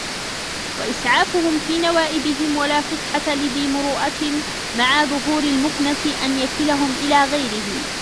وَإِسْعَافُهُمْ فِي نَوَائِبِهِمْ وَلَا فُسْحَةَ لِذِي مُرُوءَةٍ مَعَ ظُهُورِ الْمُكْنَةِ أَنْ يَكِلَهُمْ إلَى غَيْرِهِ